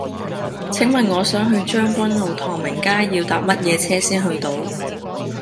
請問我想去將軍澳唐明街要搭乜嘢車先去到